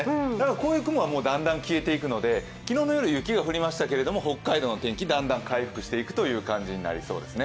こういう雲はだんだん消えていくので、昨日の夜雪が降りましたけれども、北海道の天気、だんだん回復していくという感じになりますね。